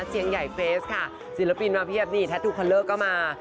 เชียงใหญ่เฟสค่ะศิลปินมาเพียบนี่แททูคอลเลอร์ก็มา